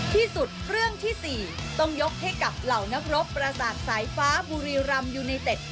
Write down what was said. ที่สุดเรื่องที่๔ต้องยกให้กับเหล่านักรบประสาทสายฟ้าบุรีรำยูไนเต็ด